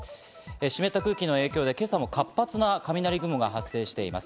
湿った空気の影響で今朝も活発な雷雲が発生しています。